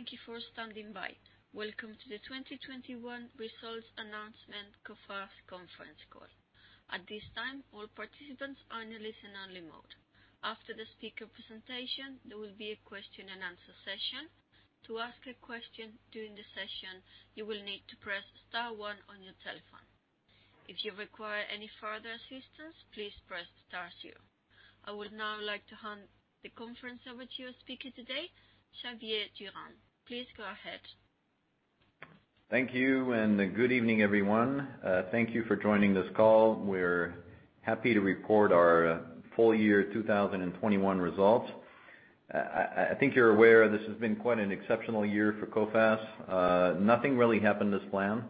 Thank you for standing by. Welcome to the 2021 results announcement Coface conference call. At this time, all participants are in a listen only mode. After the speaker presentation, there will be a question-and-answer session. To ask a question during the session, you will need to press star one on your telephone. If you require any further assistance, please press star zero. I would now like to hand the conference over to your speaker today, Xavier Durand. Please go ahead. Thank you and good evening, everyone. Thank you for joining this call. We're happy to report our full-year 2021 results. I think you're aware this has been quite an exceptional year for Coface. Nothing really happened as planned,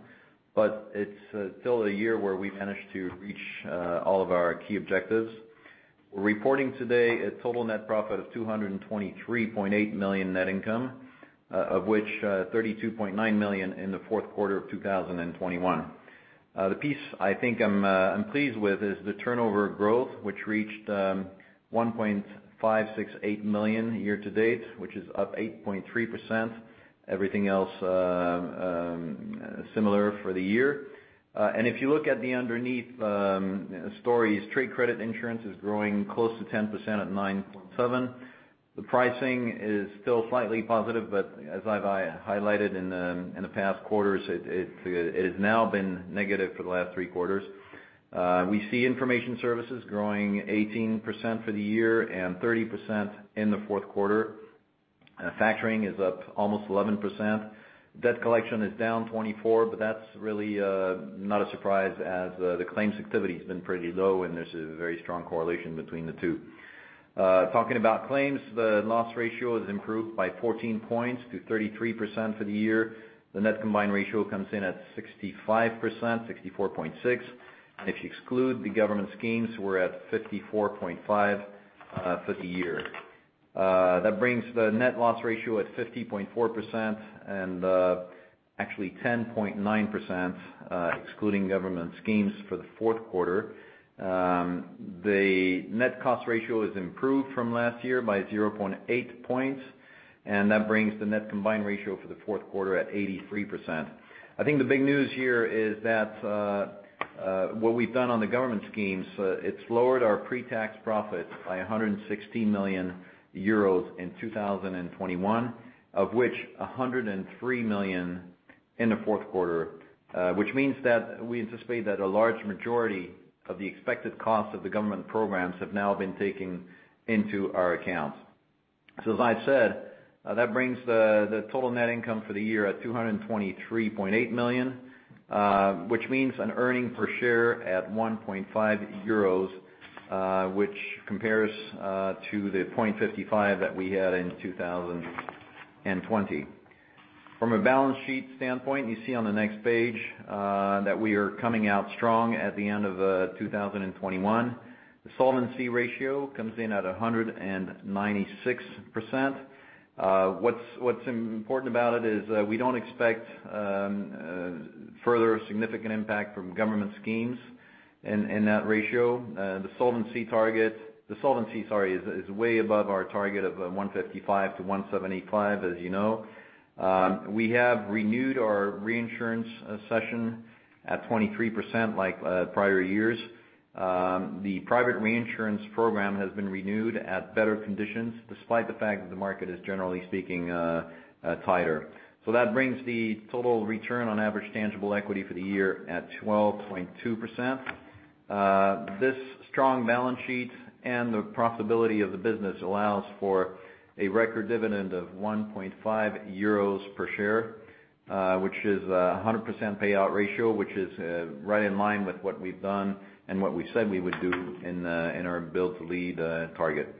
but it's still a year where we managed to reach all of our key objectives. We're reporting today a total net profit of 223.8 million net income, of which 32.9 million in the fourth quarter of 2021. The piece I think I'm pleased with is the turnover growth, which reached 1.568 million year-to-date, which is up 8.3%. Everything else similar for the year. If you look at the underlying stories, trade credit insurance is growing close to 10% at 9.7. The pricing is still slightly positive, but as I've highlighted in the past quarters, it has now been negative for the last three quarters. We see information services growing 18% for the year and 30% in the fourth quarter. Factoring is up almost 11%. Debt collection is down 24%, but that's really not a surprise as the claims activity has been pretty low, and there's a very strong correlation between the two. Talking about claims, the loss ratio has improved by 14 points to 33% for the year. The net combined ratio comes in at 65%, 64.6. If you exclude the government schemes, we're at 54.5 for the year. That brings the net loss ratio at 50.4% and actually 10.9% excluding government schemes for the fourth quarter. The net cost ratio has improved from last year by 0.8 points, and that brings the net combined ratio for the fourth quarter at 83%. I think the big news here is that what we've done on the government schemes it's lowered our pre-tax profit by 116 million euros in 2021, of which 103 million in the fourth quarter. Which means that we anticipate that a large majority of the expected cost of the government programs have now been taken into our accounts. As I said, that brings the total net income for the year at 223.8 million, which means an earnings per share at 1.5 euros, which compares to the 0.55 that we had in 2020. From a balance sheet standpoint, you see on the next page that we are coming out strong at the end of 2021. The solvency ratio comes in at 196%. What's important about it is we don't expect further significant impact from government schemes in that ratio. The solvency target, sorry, is way above our target of 155%-175%, as you know. We have renewed our reinsurance cession at 23% like prior years. The private reinsurance program has been renewed at better conditions, despite the fact that the market is generally speaking, tighter. That brings the total return on average tangible equity for the year at 12.2%. This strong balance sheet and the profitability of the business allows for a record dividend of 1.5 euros per share, which is a 100% payout ratio, which is right in line with what we've done and what we said we would do in our Build to Lead target.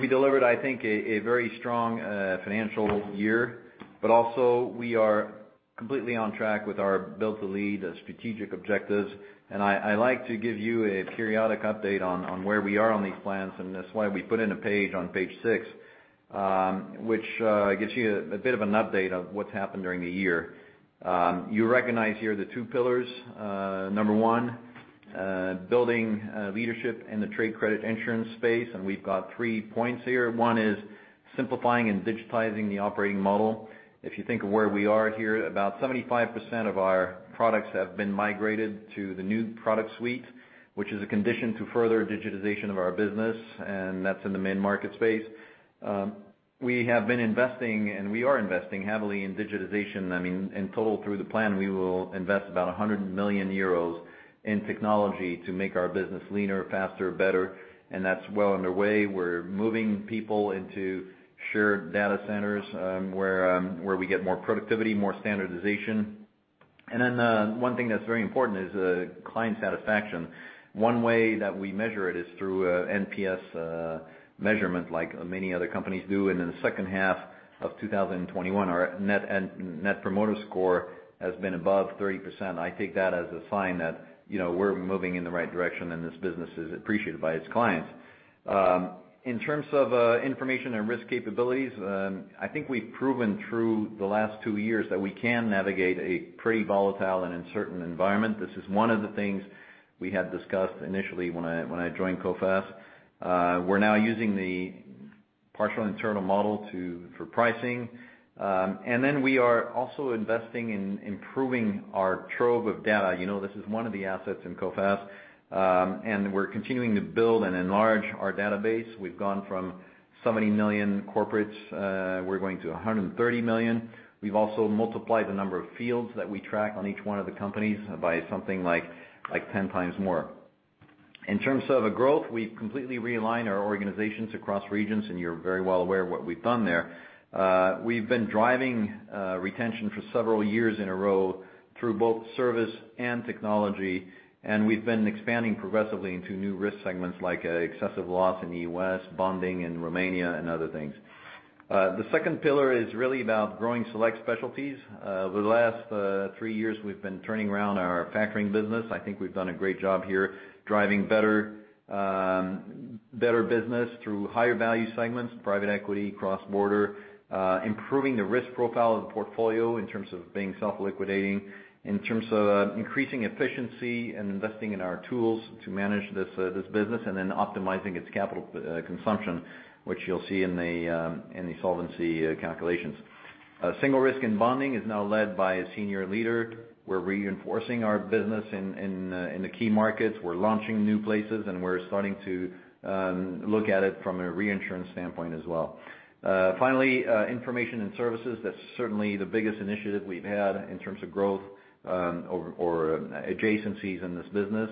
We delivered, I think, a very strong financial year, but also we are completely on track with our Build to Lead strategic objectives. I like to give you a periodic update on where we are on these plans, and that's why we put in a page-on-page six, which gives you a bit of an update of what's happened during the year. You recognize here the two pillars. Number one, building leadership in the trade credit insurance space, and we've got three points here. One is simplifying and digitizing the operating model. If you think of where we are here, about 75% of our products have been migrated to the new product suite, which is a condition to further digitization of our business, and that's in the main market space. We have been investing, and we are investing heavily in digitization. I mean, in total through the plan, we will invest about 100 million euros in technology to make our business leaner, faster, better, and that's well underway. We're moving people into shared data centers, where we get more productivity, more standardization. One thing that's very important is client satisfaction. One way that we measure it is through NPS measurement like many other companies do. In the second half of 2021, our Net Promoter Score has been above 30%. I take that as a sign that, you know, we're moving in the right direction and this business is appreciated by its clients. In terms of information and risk capabilities, I think we've proven through the last two years that we can navigate a pretty volatile and uncertain environment. This is one of the things we had discussed initially when I joined Coface. We're now using the Partial internal model for pricing. We are also investing in improving our trove of data. You know, this is one of the assets in Coface, and we're continuing to build and enlarge our database. We've gone from 70 million corporates. We're going to 130 million. We've also multiplied the number of fields that we track on each one of the companies by something like 10 times more. In terms of the growth, we've completely realigned our organizations across regions, and you're very well aware of what we've done there. We've been driving retention for several years in a row through both service and technology, and we've been expanding progressively into new risk segments like excess of loss in the U.S., bonding in Romania, and other things. The second pillar is really about growing select specialties. Over the last three years, we've been turning around our factoring business. I think we've done a great job here driving better business through higher value segments, private equity, cross-border, improving the risk profile of the portfolio in terms of being self-liquidating, in terms of increasing efficiency and investing in our tools to manage this business, and then optimizing its capital consumption, which you'll see in the solvency calculations. Single risk and bonding is now led by a senior leader. We're reinforcing our business in the key markets. We're launching new places, and we're starting to look at it from a reinsurance standpoint as well. Finally, information and services. That's certainly the biggest initiative we've had in terms of growth, or adjacencies in this business.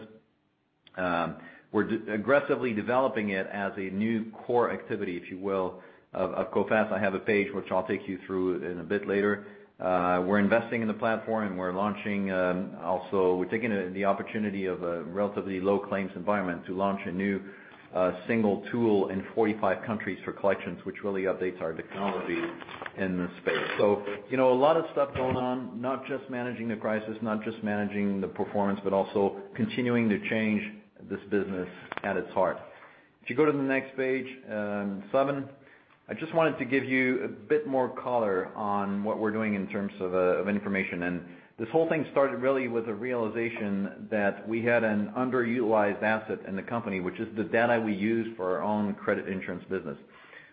We're aggressively developing it as a new core activity, if you will, of Coface. I have a page which I'll take you through in a bit later. We're investing in the platform. We're launching also, we're taking the opportunity of a relatively low claims environment to launch a new single tool in 45 countries for collections, which really updates our technology in this space. You know, a lot of stuff going on, not just managing the crisis, not just managing the performance, but also continuing to change this business at its heart. If you go to the next page, Saban, I just wanted to give you a bit more color on what we're doing in terms of information. This whole thing started really with the realization that we had an underutilized asset in the company, which is the data we use for our own credit insurance business.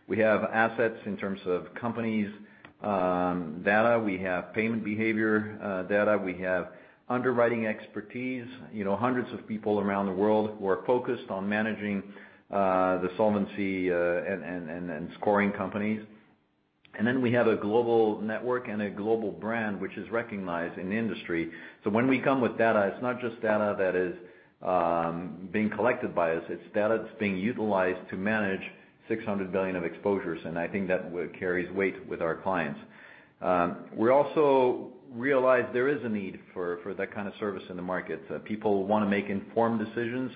We have assets in terms of companies, data. We have payment behavior, data. We have underwriting expertise. You know, hundreds of people around the world who are focused on managing the solvency and scoring companies. Then we have a global network and a global brand which is recognized in the industry. When we come with data, it's not just data that is being collected by us, it's data that's being utilized to manage 600 billion of exposures, and I think that carries weight with our clients. We also realize there is a need for that kind of service in the market. People wanna make informed decisions.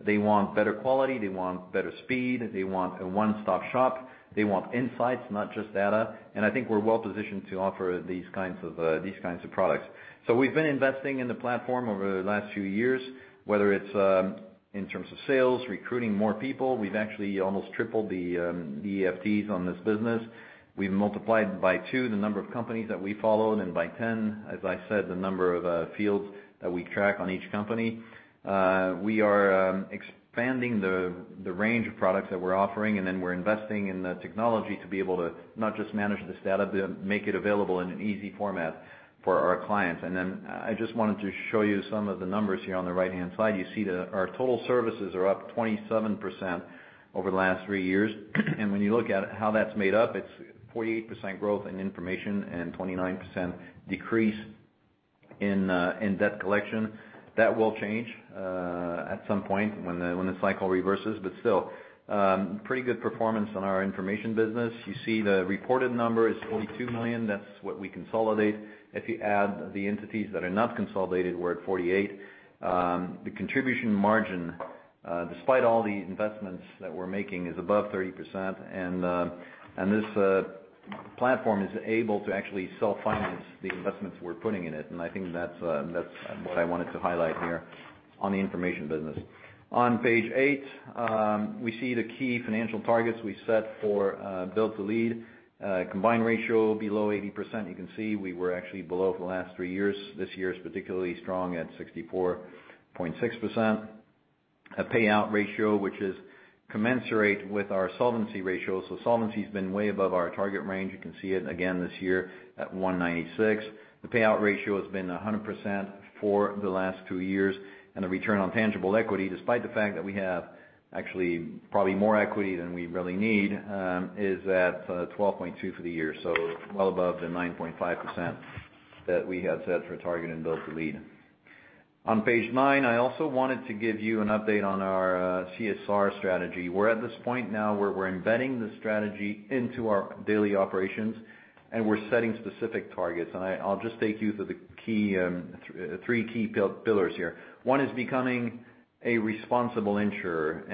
They want better quality. They want better speed. They want a one-stop shop. They want insights, not just data. I think we're well positioned to offer these kinds of products. We've been investing in the platform over the last few years, whether it's in terms of sales, recruiting more people. We've actually almost tripled the FTEs on this business. We've multiplied by two the number of companies that we follow, and then by 10, as I said, the number of fields that we track on each company. We are expanding the range of products that we're offering, and then we're investing in the technology to be able to not just manage this data, but make it available in an easy format for our clients. I just wanted to show you some of the numbers here on the right-hand side. You see our total services are up 27% over the last three years. When you look at how that's made up, it's 48% growth in information and 29% decrease in debt collection. That will change at some point when the cycle reverses. Still, pretty good performance on our information business. You see the reported number is 42 million. That's what we consolidate. If you add the entities that are not consolidated, we're at 48 million. The contribution margin, despite all the investments that we're making, is above 30%. This platform is able to actually self-finance the investments we're putting in it, and I think that's what I wanted to highlight here on the information business. On page eight, we see the key financial targets we set for Build to Lead. Combined ratio below 80%. You can see we were actually below for the last three years. This year is particularly strong at 64.6%. A payout ratio which is commensurate with our solvency ratio. Solvency has been way above our target range. You can see it again this year at 196%. The payout ratio has been 100% for the last two years. The return on tangible equity, despite the fact that we have actually probably more equity than we really need, is at 12.2 for the year. Well above the 9.5% that we had set for target in Build to Lead. On page nine, I also wanted to give you an update on our CSR strategy. We're at this point now where we're embedding the strategy into our daily operations, and we're setting specific targets. I'll just take you through the three key pillars here. One is becoming a responsible insurer.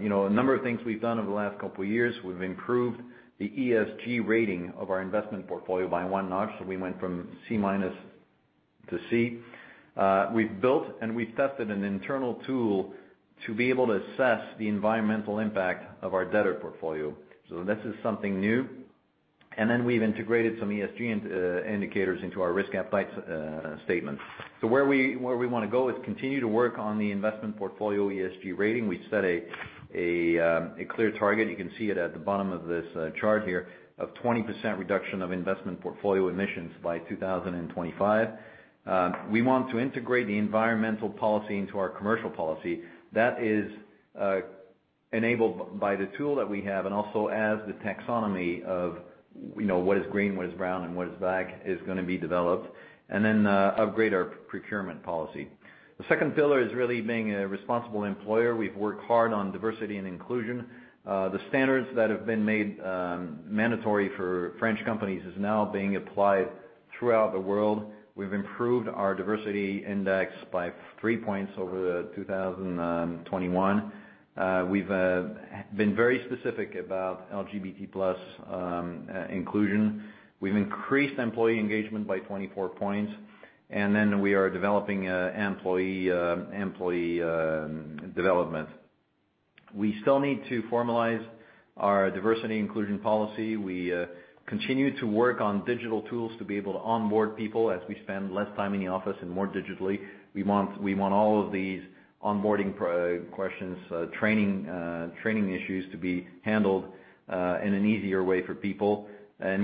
You know, a number of things we've done over the last couple of years. We've improved the ESG rating of our investment portfolio by one notch, so we went from C- to C. We've built and we've tested an internal tool to be able to assess the environmental impact of our debtor portfolio. This is something new. We've integrated some ESG indicators into our risk appetite statement. Where we wanna go is continue to work on the investment portfolio ESG rating. We set a clear target, you can see it at the bottom of this chart here, of 20% reduction of investment portfolio emissions by 2025. We want to integrate the environmental policy into our commercial policy. That is enabled by the tool that we have, and also as the taxonomy of, you know, what is green, what is brown, and what is black, is gonna be developed. Upgrade our procurement policy. The second pillar is really being a responsible employer. We've worked hard on diversity and inclusion. The standards that have been made mandatory for French companies is now being applied throughout the world. We've improved our diversity index by three points over 2021. We've been very specific about LGBT+ inclusion. We've increased employee engagement by 24 points, and then we are developing employee development. We still need to formalize our diversity inclusion policy. We continue to work on digital tools to be able to onboard people as we spend less time in the office and more digitally. We want all of these onboarding processes, training issues to be handled in an easier way for people.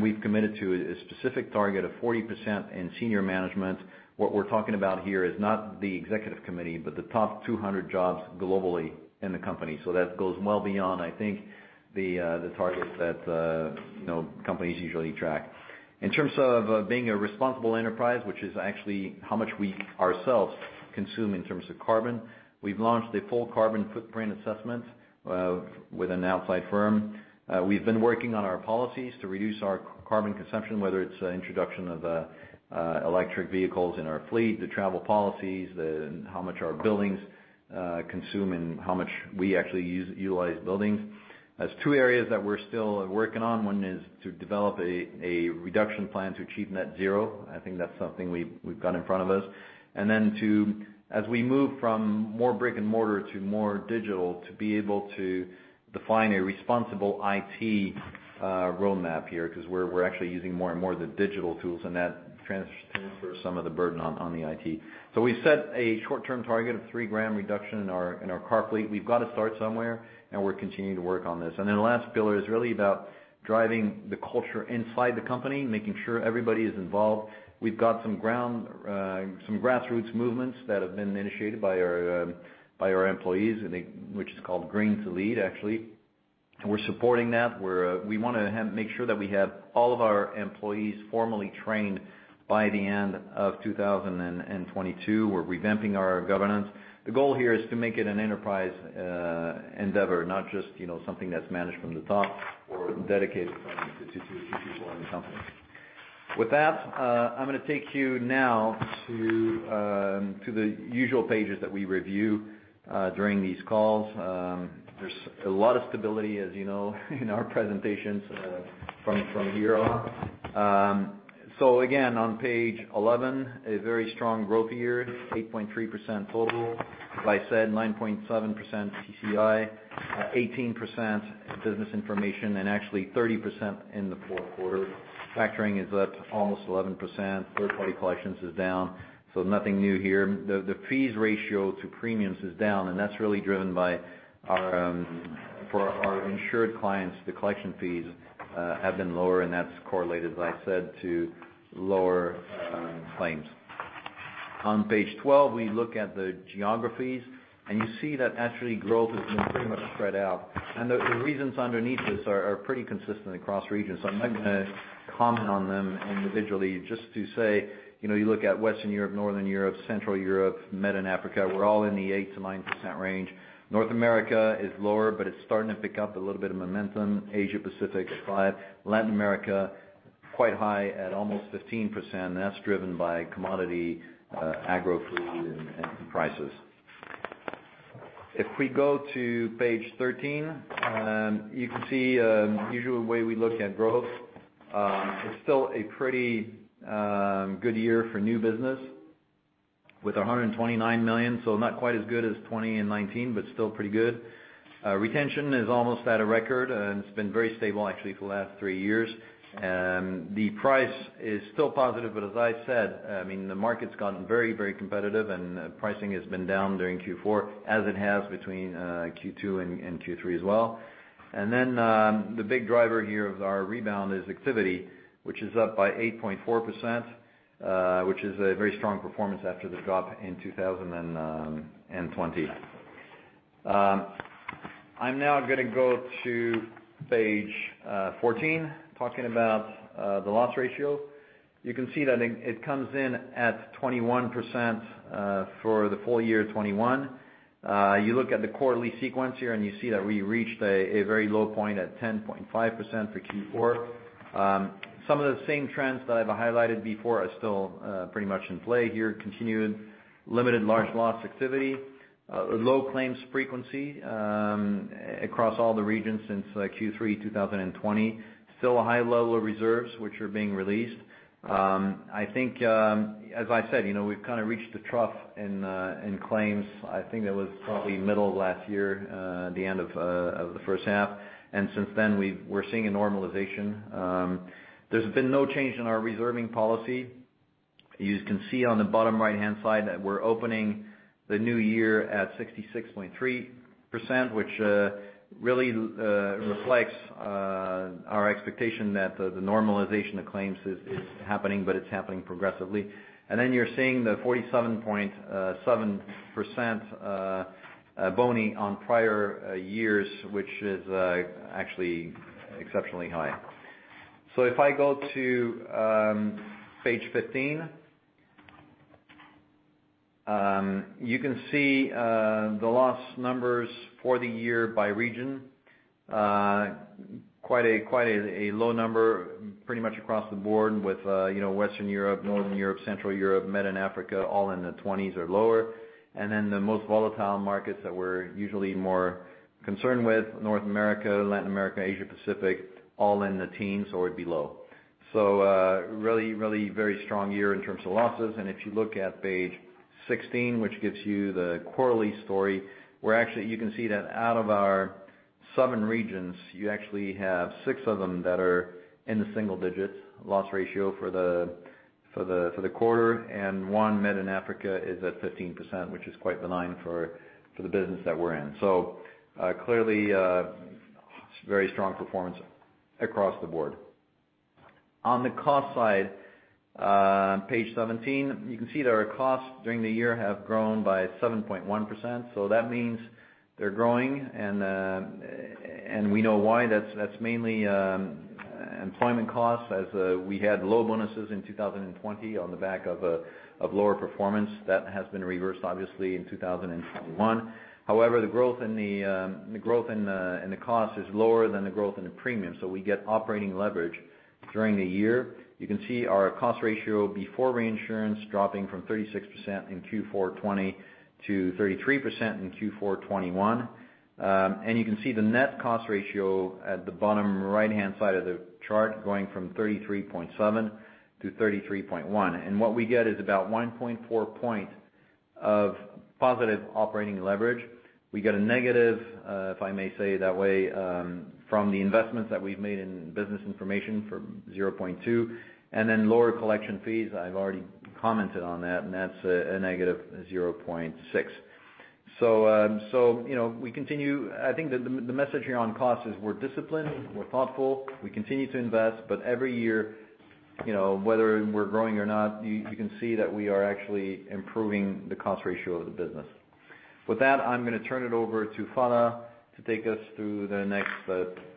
We've committed to a specific target of 40% in senior management. What we're talking about here is not the executive committee, but the top 200 jobs globally in the company. So that goes well beyond, I think, the targets that you know companies usually track. In terms of being a responsible enterprise, which is actually how much we ourselves consume in terms of carbon, we've launched a full carbon footprint assessment with an outside firm. We've been working on our policies to reduce our carbon consumption, whether it's the introduction of electric vehicles in our fleet, the travel policies, how much our buildings consume, and how much we actually use buildings. There's two areas that we're still working on. One is to develop a reduction plan to achieve net zero. I think that's something we've got in front of us. As we move from more brick-and-mortar to more digital, to be able to define a responsible IT roadmap here, 'cause we're actually using more and more of the digital tools, and that transfers some of the burden on the IT. We set a short-term target of 3 gram reduction in our car fleet. We've got to start somewhere, and we're continuing to work on this. Then the last pillar is really about driving the culture inside the company, making sure everybody is involved. We've got some grassroots movements that have been initiated by our employees, I think, which is called Green to Lead, actually. We're supporting that. We want to make sure that we have all of our employees formally trained by the end of 2022. We're revamping our governance. The goal here is to make it an enterprise endeavor, not just something that's managed from the top or dedicated to people in the company. With that, I'm going to take you now to the usual pages that we review during these calls. There's a lot of stability, as you know, in our presentations from here on. So again, on page 11, a very strong growth year, 8.3% total. As I said, 9.7% CCI, 18% business information, and actually 30% in the fourth quarter. Factoring is up almost 11%. Third-party collections is down, so nothing new here. The fees ratio to premiums is down, and that's really driven by our, for our insured clients, the collection fees have been lower, and that's correlated, as I said, to lower claims. On page 12, we look at the geographies, and you see that actually growth has been pretty much spread out. The reasons underneath this are pretty consistent across regions. I'm not gonna comment on them individually just to say, you know, you look at Western Europe, Northern Europe, Central Europe, Middle, and Africa, we're all in the 8%-9% range. North America is lower, but it's starting to pick up a little bit of momentum. Asia Pacific at 5%. Latin America, quite high at almost 15%. That's driven by commodity, agro food and prices. If we go to page 13, you can see, usually the way we look at growth, it's still a pretty good year for new business with 129 million, so not quite as good as 2020 and 2019, but still pretty good. Retention is almost at a record, and it's been very stable actually for the last three years. The price is still positive, but as I said, I mean, the market's gotten very, very competitive and pricing has been down during Q4 as it has between Q2 and Q3 as well. Then, the big driver here of our rebound is activity, which is up by 8.4%, which is a very strong performance after the drop in 2020. I'm now gonna go to page 14, talking about the loss ratio. You can see that it comes in at 21% for the full-year 2021. You look at the quarterly sequence here, and you see that we reached a very low point at 10.5% for Q4. Some of the same trends that I've highlighted before are still pretty much in play here. Continued limited large loss activity. Low claims frequency across all the regions since Q3 2020. Still a high level of reserves which are being released. I think, as I said, you know, we've kind of reached the trough in claims. I think that was probably middle of last year, the end of the first half. Since then, we're seeing a normalization. There's been no change in our reserving policy. You can see on the bottom right-hand side that we're opening the new year at 66.3%, which really reflects our expectation that the normalization of claims is happening, but it's happening progressively. Then you're seeing the 47.7% bonus on prior years, which is actually exceptionally high. If I go to page 15, you can see the loss numbers for the year by region. Quite a low number, pretty much across the board with, you know, Western Europe, Northern Europe, Central Europe, Med and Africa, all in the 20s or lower. The most volatile markets that we're usually more concerned with North America, Latin America, Asia Pacific, all in the teens or below. Really very strong year in terms of losses. If you look at page 16, which gives you the quarterly story, where actually you can see that out of our seven regions, you actually have six of them that are in the single digits loss ratio for the quarter, and one, Mediterranean and Africa, is at 15%, which is quite benign for the business that we're in. Clearly, very strong performance across the board. On the cost side, page 17, you can see that our costs during the year have grown by 7.1%. That means they're growing and we know why. That's mainly employment costs, as we had low bonuses in 2020 on the back of lower performance. That has been reversed, obviously, in 2021. However, the growth in the cost is lower than the growth in the premium, so we get operating leverage during the year. You can see our cost ratio before reinsurance dropping from 36% in Q4 2020 to 33% in Q4 2021. You can see the net cost ratio at the bottom right-hand side of the chart, going from 33.7 to 33.1. What we get is about 1.4 points of positive operating leverage. We get a negative, if I may say that way, from the investments that we've made in business information for -0.2. Then lower collection fees, I've already commented on that, and that's a negative -0.6. You know, we continue. I think the message here on cost is we're disciplined, we're thoughtful, we continue to invest. Every year, you know, whether we're growing or not, you can see that we are actually improving the cost ratio of the business. With that, I'm gonna turn it over to Phalla to take us through the next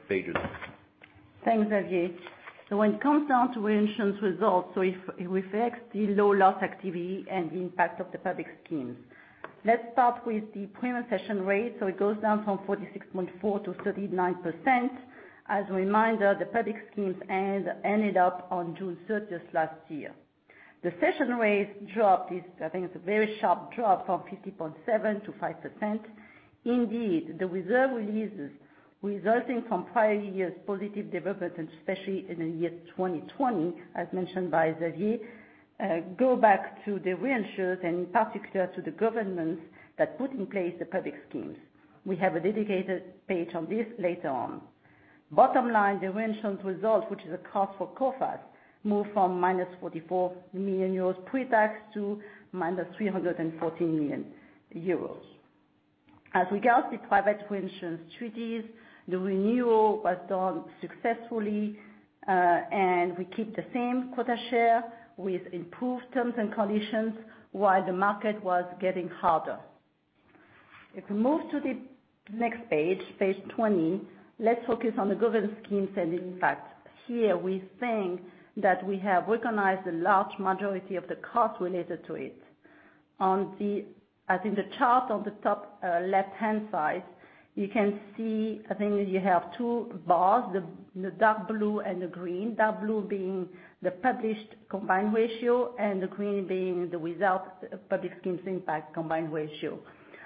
pages. Thanks, Xavier. When it comes down to reinsurance results, if it reflects the low loss activity and the impact of the public schemes. Let's start with the premium cession rate. It goes down from 46.4%-39%. As a reminder, the public schemes ended on June 30 last year. The cession rates dropped. It is, I think, a very sharp drop from 50.7%-5%. Indeed, the reserve releases resulting from prior years' positive development, especially in the year 2020, as mentioned by Xavier, go back to the reinsurers and in particular to the governments that put in place the public schemes. We have a dedicated page on this later on. Bottom line, the reinsurance result, which is a cost for Coface, moved from -44 million euros pre-tax to -314 million euros. As regards the private reinsurance treaties, the renewal was done successfully, and we keep the same quota share with improved terms and conditions while the market was getting harder. If we move to the next page 20, let's focus on the government schemes and impact. Here, we think that we have recognized the large majority of the cost related to it. As in the chart on the top, left-hand side, you can see, I think you have two bars, the dark blue and the green. Dark blue being the published combined ratio, and the green being the result public schemes impact combined ratio.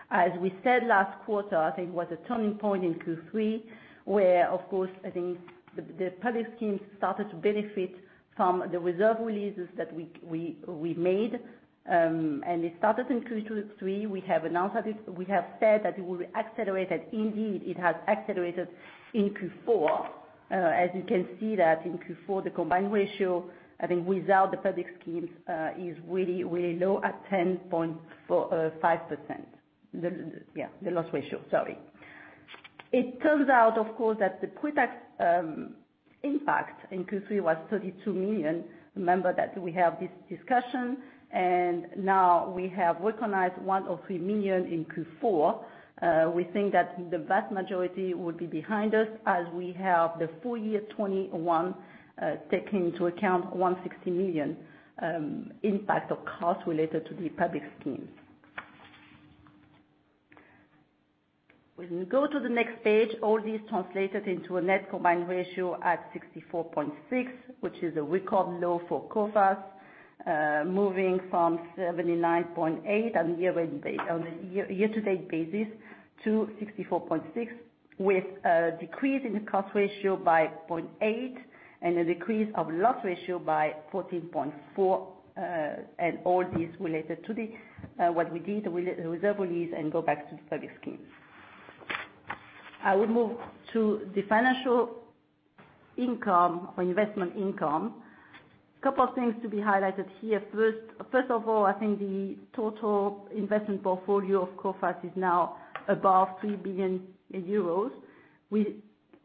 As we said last quarter, I think it was a turning point in Q3, where of course, I think the public schemes started to benefit from the reserve releases that we made. It started in Q3. We have announced that it will be accelerated. Indeed, it has accelerated in Q4. As you can see that in Q4, the combined ratio, I think without the public schemes, is really low at 10.5%. The loss ratio, sorry. It turns out, of course, that the pre-tax impact in Q3 was 32 million. Remember that we have this discussion, and now we have recognized 103 million in Q4. We think that the vast majority will be behind us as we have the full-year 2021 take into account 160 million impact of costs related to the public schemes. When you go to the next page, all this translated into a net combined ratio at 64.6%, which is a record low for Coface. Moving from 79.8% on a year-to-date basis to 64.6%, with a decrease in the cost ratio by 0.8% and a decrease of loss ratio by 14.4%, and all this related to what we did with the reserve release and go back to the public schemes. I will move to the financial income or investment income. Couple of things to be highlighted here. First of all, I think the total investment portfolio of Coface is now above 3 billion euros. We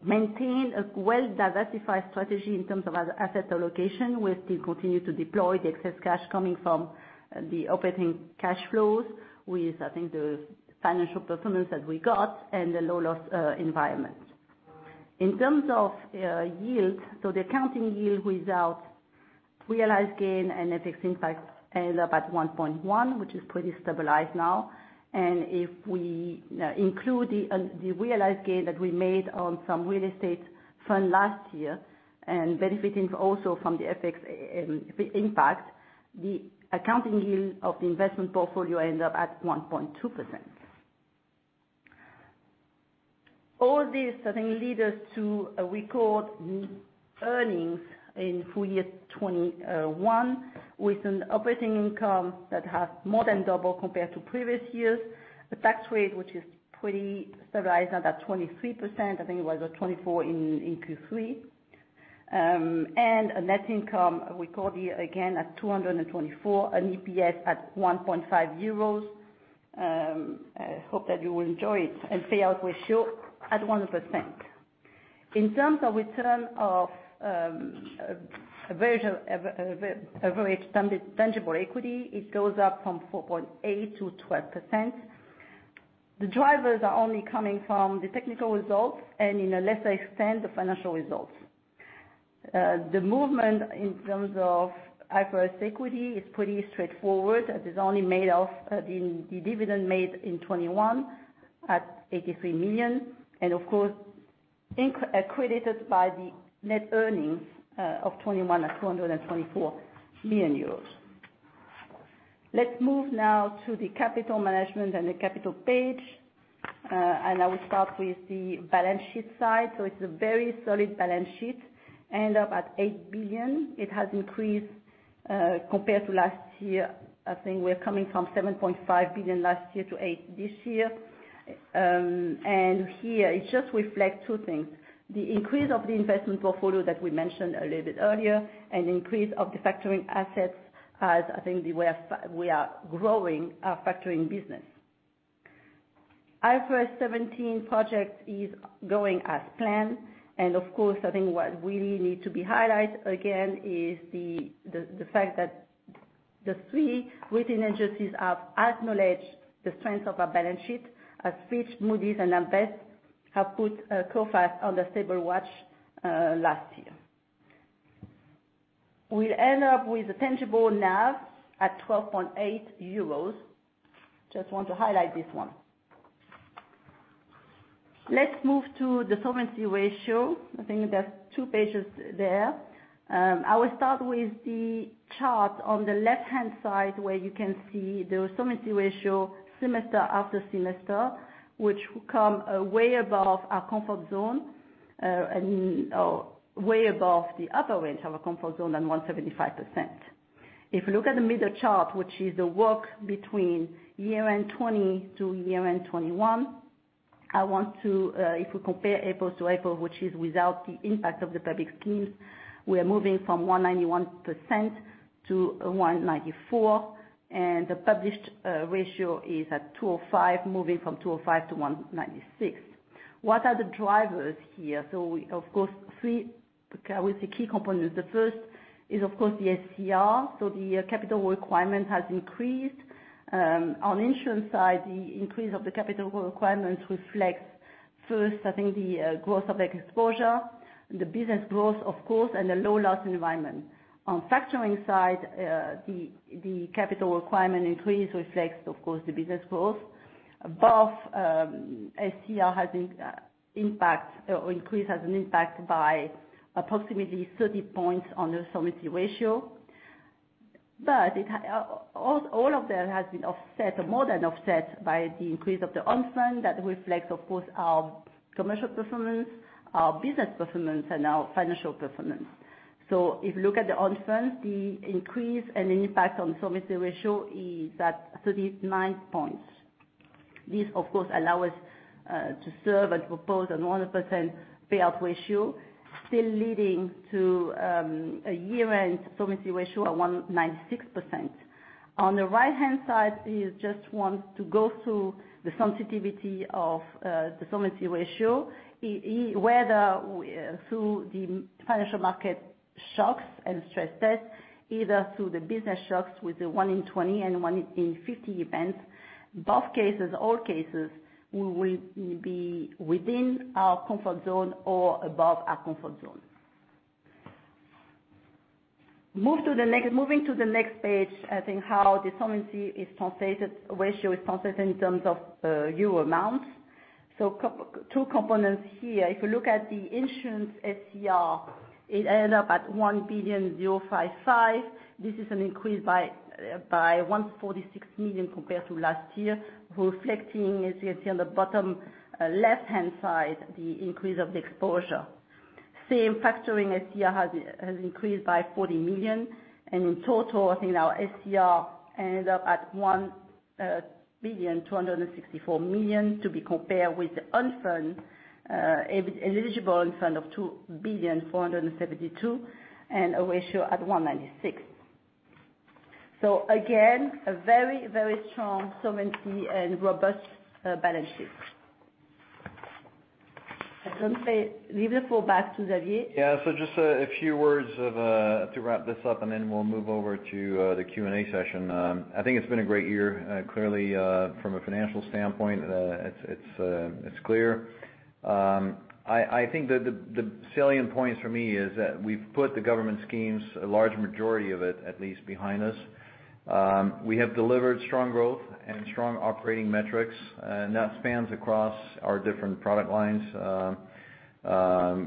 maintain a well-diversified strategy in terms of asset allocation. We still continue to deploy the excess cash coming from the operating cash flows with, I think, the financial performance that we got and the low loss environment. In terms of yield, so the accounting yield without realized gain and FX impact ended up at 1.1, which is pretty stabilized now. If we include the realized gain that we made on some real estate fund last year and benefiting also from the FX impact, the accounting yield of the investment portfolio end up at 1.2%. All this, I think, lead us to a record earnings in full-year 2021, with an operating income that has more than double compared to previous years. The tax rate, which is pretty stabilized now at 23%, I think it was at 24% in Q3. A net income recorded again at 224 million, an EPS at 1.5 euros. I hope that you will enjoy it. Payout ratio at 1%. In terms of return on average tangible equity, it goes up from 4.8%-12%. The drivers are only coming from the technical results and to a lesser extent, the financial results. The movement in terms of IFRS equity is pretty straightforward, as it is only made of the dividend paid in 2021 at 83 million and, of course, increased by the net earnings of 2021 at 224 million euros. Let's move now to the capital management and the capital page. I will start with the balance sheet side. It's a very solid balance sheet ending up at 8 billion. It has increased compared to last year. I think we're coming from 7.5 billion last year to 8 billion this year. Here it just reflects two things, the increase of the investment portfolio that we mentioned a little bit earlier, an increase of the factoring assets as I think the way we are growing our factoring business. IFRS 17 project is going as planned, and of course, I think what really need to be highlighted again is the fact that the three rating agencies have acknowledged the strength of our balance sheet, as Fitch, Moody's, and AM Best have put Coface on the stable watch last year. We end up with a tangible NAV at 12.8 euros. Just want to highlight this one. Let's move to the solvency ratio. I think there's two pages there. I will start with the chart on the left-hand side where you can see the solvency ratio semester after semester, which come way above our comfort zone, or way above the upper range of our comfort zone at 175%. If you look at the middle chart, which is the evolution between year-end 2020 to year-end 2021, I want to, if we compare apples to apples, which is without the impact of the public schemes, we are moving from 191% to 194%, and the published ratio is at 205%, moving from 205%-196%. What are the drivers here? Of course, there are three key components. The first is of course the SCR. The capital requirement has increased. On insurance side, the increase of the capital requirement reflects first, I think the growth of exposure and the business growth of course and the low loss environment. On factoring side, the capital requirement increase reflects of course the business growth. The above SCR increase has an impact by approximately 30 points on the solvency ratio. All of that has been offset or more than offset by the increase of the own funds that reflects, of course our commercial performance, our business performance, and our financial performance. If you look at the own funds, the increase and impact on solvency ratio is at 39 points. This, of course allow us to set and propose a 100% payout ratio, still leading to a year-end solvency ratio at 196%. On the right-hand side, I just want to go through the sensitivity of the solvency ratio, whether through the financial market shocks and stress tests or through the business shocks with the 1-in-20 and 1-in-50 events. In both cases, all cases will be within our comfort zone or above our comfort zone. Moving to the next page, I think how the solvency ratio is translated in terms of euro amounts. Two components here. If you look at the insurance SCR, it ended up at 1.055 billion. This is an increase by 146 million compared to last year, reflecting, as you can see on the bottom left-hand side, the increase of the exposure. The factoring SCR has increased by 40 million. In total, I think our SCR ended up at 1.264 billion to be compared with the eligible own funds of 2.472 billion and a ratio at 196%. Again, a very strong solvency and robust balance sheet. I'll leave the floor back to Xavier. Just a few words to wrap this up, and then we'll move over to the Q&A session. I think it's been a great year, clearly, from a financial standpoint, it's clear. I think the salient points for me is that we've put the government schemes, a large majority of it, at least behind us. We have delivered strong growth and strong operating metrics, and that spans across our different product lines.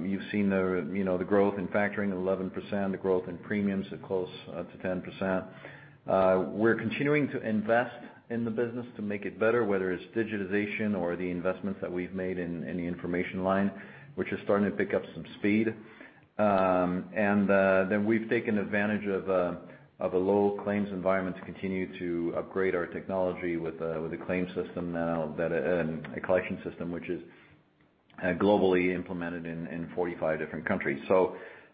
You've seen the, you know, the growth in factoring 11%, the growth in premiums at close to 10%. We're continuing to invest in the business to make it better, whether it's digitization or the investments that we've made in the information line, which is starting to pick up some speed. We've taken advantage of a low claims environment to continue to upgrade our technology with the claims system and a collection system which is globally implemented in 45 different countries.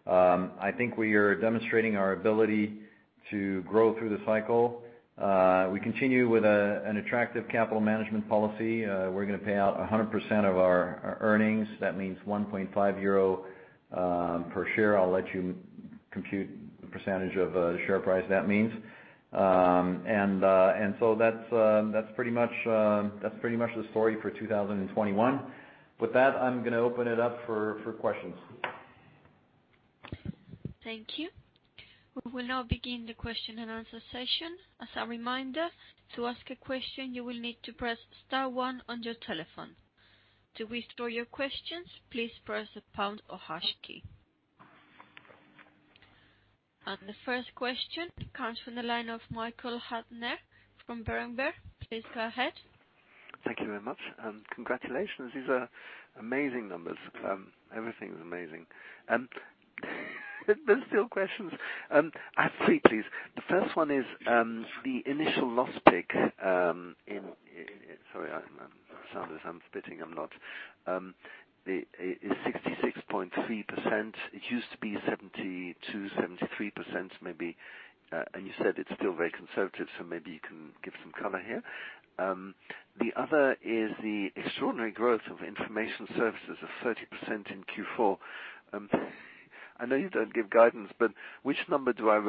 I think we are demonstrating our ability to grow through the cycle. We continue with an attractive capital management policy. We're gonna pay out 100% of our earnings. That means 1.5 euro per share. I'll let you compute the percentage of the share price that means. That's pretty much the story for 2021. With that, I'm gonna open it up for questions. Thank you. We will now begin the question and answer session. As a reminder, to ask a question, you will need to press star one on your telephone. To withdraw your questions, please press the pound or hash key. The first question comes from the line of Michael Huttner from Berenberg. Please go ahead. Thank you very much, and congratulations. These are amazing numbers. Everything is amazing. There's still questions. I have three, please. The first one is, the initial loss ratio, sorry, I, it sounds as I'm spitting, I'm not. The is 66.3%. It used to be 72%, 73% maybe. And you said it's still very conservative, so maybe you can give some color here. The other is the extraordinary growth of information services of 30% in Q4. I know you don't give guidance, but which number do I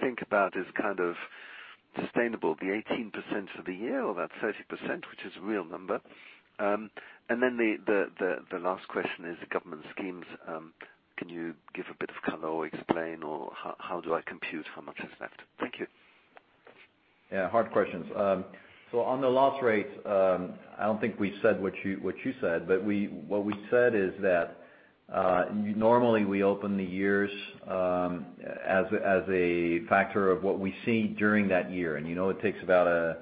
think about is kind of sustainable, the 18% for the year or that 30%, which is real number? And then the last question is the government schemes. Can you give a bit of color or explain, or how do I compute how much is left? Thank you. Yeah, hard questions. On the loss rates, I don't think we said what you said, but what we said is that normally we open the years as a factor of what we see during that year. It takes about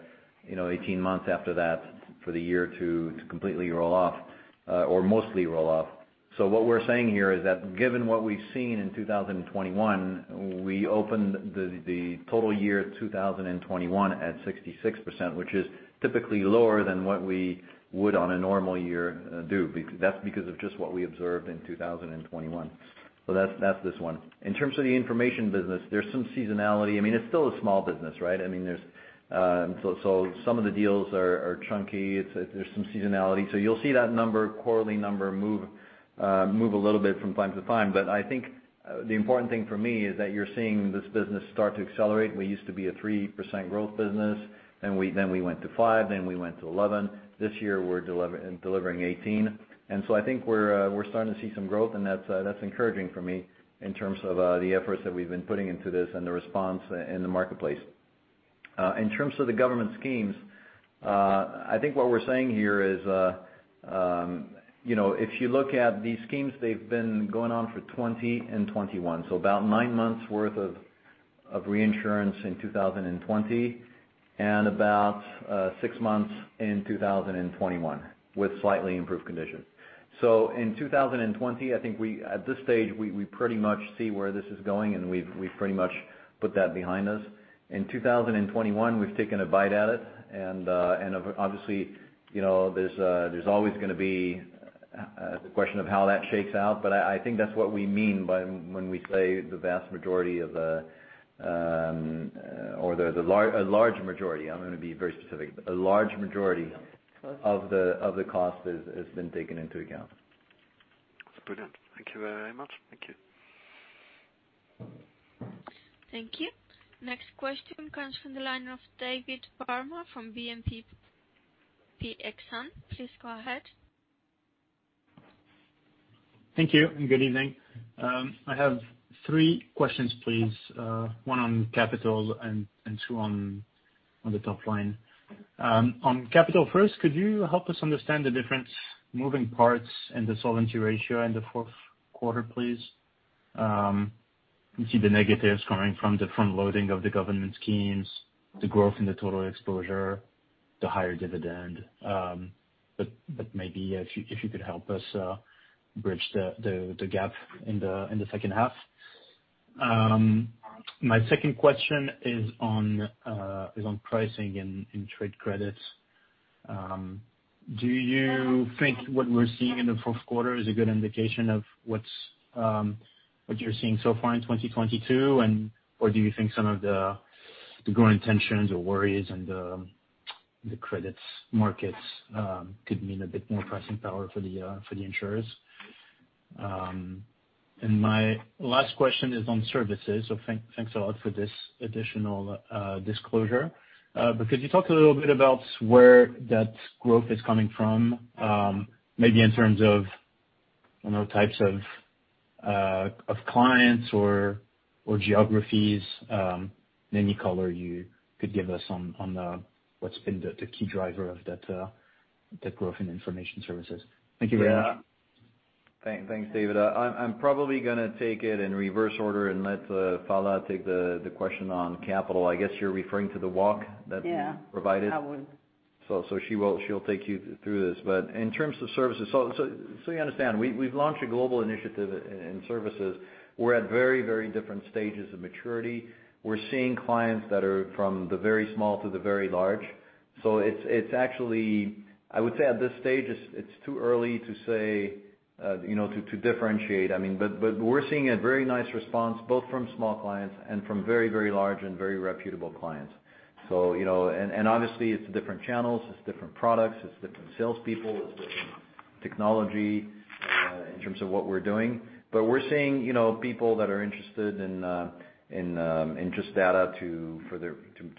18 months after that for the year to completely roll off or mostly roll off. What we're saying here is that given what we've seen in 2021, we opened the total year 2021 at 66%, which is typically lower than what we would on a normal year do. That's because of just what we observed in 2021. That's this one. In terms of the information business, there's some seasonality. I mean, it's still a small business, right? I mean, there's some of the deals are chunky. It's, there's some seasonality. You'll see that quarterly number move a little bit from time to time. I think the important thing for me is that you're seeing this business start to accelerate. We used to be a 3% growth business, and then we went to 5%, then we went to 11%. This year, we're delivering 18%. I think we're starting to see some growth, and that's encouraging for me in terms of the efforts that we've been putting into this and the response in the marketplace. In terms of the government schemes, I think what we're saying here is, you know, if you look at these schemes, they've been going on for 2020 and 2021, so about nine months worth of reinsurance in 2020, and about six months in 2021 with slightly improved conditions. In 2020, I think we, at this stage, pretty much see where this is going and we've pretty much put that behind us. In 2021, we've taken a bite at it, and obviously, you know, there's always gonna be the question of how that shakes out. I think that's what we mean by when we say the vast majority of the, or a large majority, I'm gonna be very specific. A large majority of the cost has been taken into account. That's brilliant. Thank you very much. Thank you. Thank you. Next question comes from the line of David P. Farmer from BNP Paribas Exane. Please go ahead. Thank you and good evening. I have three questions, please. One on capital and two on the top line. On capital first, could you help us understand the different moving parts in the solvency ratio in the fourth quarter, please? We see the negatives coming from the front loading of the government schemes, the growth in the total exposure, the higher dividend. Maybe if you could help us bridge the gap in the second half. My second question is on pricing in trade credit. Do you think what we're seeing in the fourth quarter is a good indication of what you're seeing so far in 2022? Or do you think some of the growing tensions or worries in the credit markets could mean a bit more pricing power for the insurers? My last question is on services. Thanks a lot for this additional disclosure. Could you talk a little bit about where that growth is coming from, maybe in terms of, you know, types of clients or geographies, any color you could give us on what's been the key driver of that growth in information services? Thank you very much. Yeah. Thanks, David. I'm probably gonna take it in reverse order and let Phalla take the question on capital. I guess you're referring to the walk that- Yeah. we provided. I would. She'll take you through this. In terms of services, you understand, we've launched a global initiative in services. We're at very different stages of maturity. We're seeing clients that are from the very small to the very large. It's actually, I would say at this stage it's too early to say to differentiate. I mean, we're seeing a very nice response both from small clients and from very large and very reputable clients. Obviously it's different channels, it's different products, it's different salespeople, it's different technology in terms of what we're doing. We're seeing, you know, people that are interested in just data to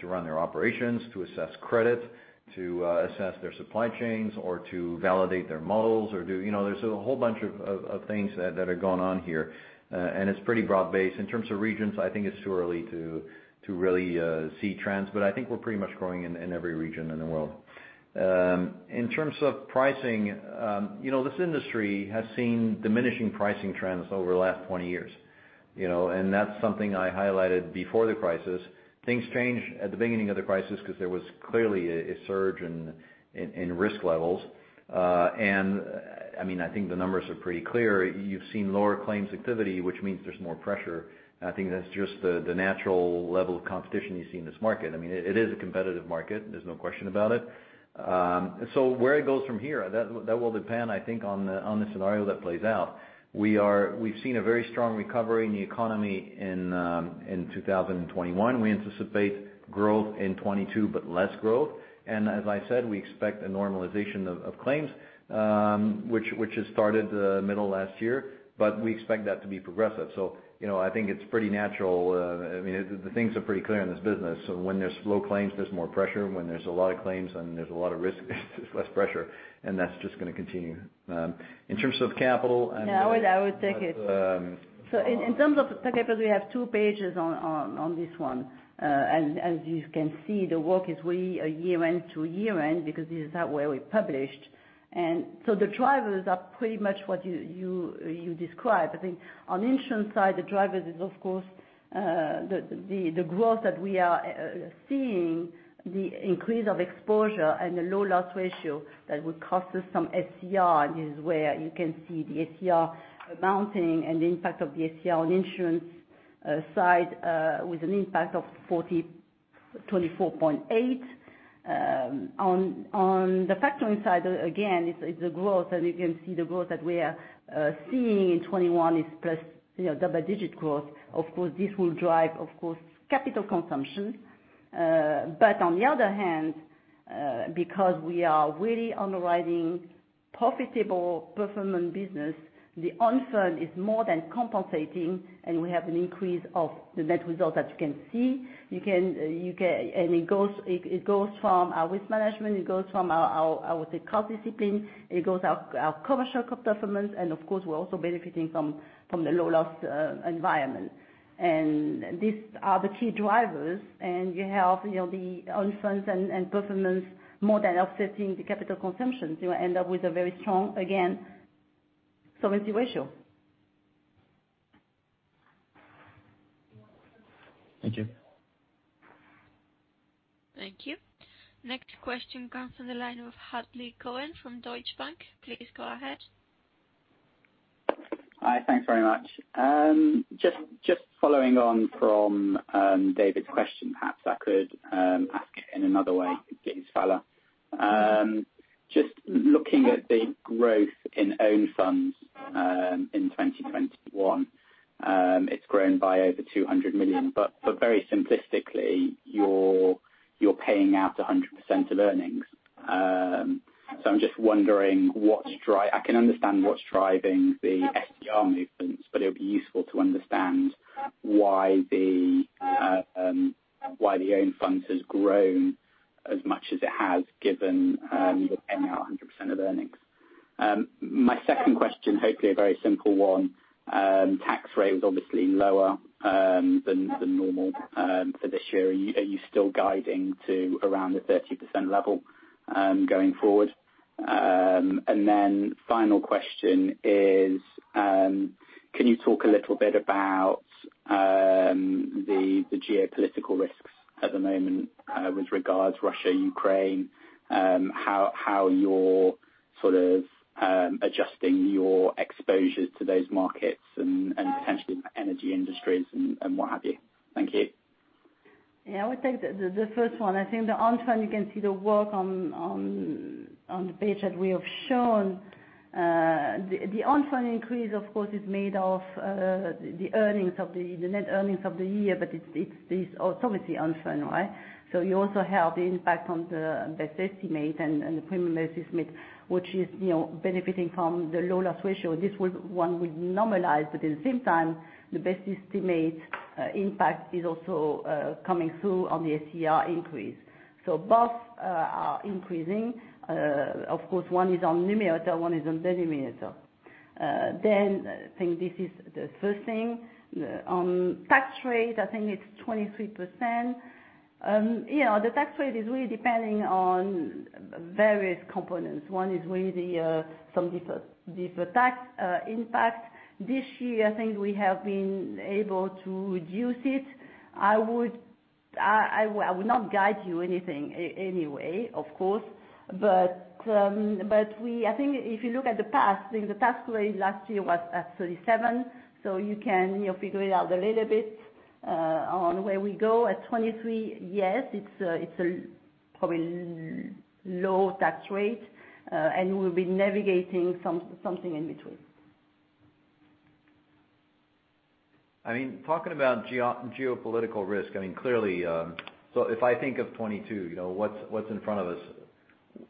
run their operations, to assess credit, to assess their supply chains or to validate their models or do, you know, there's a whole bunch of things that are going on here. It's pretty broad-based. In terms of regions, I think it's too early to really see trends, but I think we're pretty much growing in every region in the world. In terms of pricing, you know, this industry has seen diminishing pricing trends over the last 20 years, you know, and that's something I highlighted before the crisis. Things changed at the beginning of the crisis because there was clearly a surge in risk levels. I mean, I think the numbers are pretty clear. You've seen lower claims activity which means there's more pressure. I think that's just the natural level of competition you see in this market. I mean, it is a competitive market, there's no question about it. Where it goes from here, that will depend, I think, on the scenario that plays out. We've seen a very strong recovery in the economy in 2021. We anticipate growth in 2022, but less growth. As I said, we expect a normalization of claims, which has started middle of last year, but we expect that to be progressive. You know, I think it's pretty natural. I mean, the things are pretty clear in this business. When there's low claims, there's more pressure. When there's a lot of claims and there's a lot of risk, there's less pressure, and that's just gonna continue. In terms of capital and the- Yeah, I would take it. Um. In terms of capital, we have two pages on this one. As you can see, the work is really a year-end to year-end because this is how we published. The drivers are pretty much what you described. I think on the insurance side, the drivers is of course the growth that we are seeing, the increase of exposure and the low loss ratio that would cause us some SCR. It's where you can see the SCR mounting and the impact of the SCR on the insurance side with an impact of 24.8. On the factoring side, again, it's the growth, and you can see the growth that we are seeing in 2021 is plus, you know, double-digit growth. Of course, this will drive, of course, capital consumption. But on the other hand, because we are really underwriting profitable performance business, the own funds is more than compensating and we have an increase of the net result that you can see. You can and it goes from our risk management, it goes from our cost discipline, it goes from our commercial performance and of course, we're also benefiting from the low loss environment. These are the key drivers. You have, you know, the own funds and performance more than offsetting the capital consumption to end up with a very strong again solvency ratio. Thank you. Thank you. Next question comes from the line of Hadley Cohen from Deutsche Bank. Please go ahead. Hi. Thanks very much. Just following on from David P. Farmer question, perhaps I could ask in another way, please, Phalla. Just looking at the growth in own funds in 2021. It's grown by over 200 million. Very simplistically, you're paying out 100% of earnings. I'm just wondering. I can understand what's driving the SCR movements, but it would be useful to understand why the own funds has grown as much as it has given you're paying out 100% of earnings. My second question, hopefully a very simple one. Tax rate was obviously lower than normal for this year. Are you still guiding to around the 30% level going forward? Final question is, can you talk a little bit about the geopolitical risks at the moment, with regards Russia, Ukraine, how you're sort of adjusting your exposures to those markets and potentially energy industries and what have you. Thank you. Yeah, I would take the first one. I think the on trend you can see the work on the page that we have shown. The on trend increase of course is made of the net earnings of the year, but it's this obviously on trend, right? So you also have the impact on the best estimate and the premium estimate, which is, you know, benefiting from the low loss ratio. This was one we normalized, but at the same time, the best estimate impact is also coming through on the SCR increase. So both are increasing. Of course, one is on numerator, one is on denominator. Then I think this is the first thing. On tax rate, I think it's 23%. Yeah, the tax rate is really depending on various components. One is really the some different tax impact. This year, I think we have been able to reduce it. I would not guide you anything anyway, of course, but I think if you look at the past, I think the tax rate last year was at 37%, so you can, you know, figure it out a little bit on where we go. At 23%, yes, it's a probably low tax rate, and we'll be navigating something in between. I mean, talking about geopolitical risk, I mean, clearly, so if I think of 2022, you know, what's in front of us,